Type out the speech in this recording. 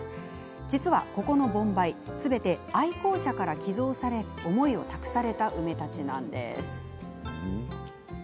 実は、ここの盆梅すべて愛好者から寄贈され思いを託された梅たちです。